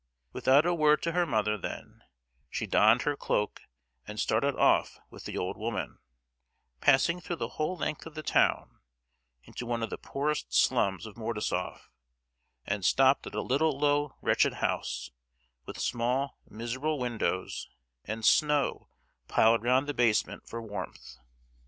Without a word to her mother, then, she donned her cloak and started off with the old woman, passing through the whole length of the town, into one of the poorest slums of Mordasof—and stopped at a little low wretched house, with small miserable windows, and snow piled round the basement for warmth.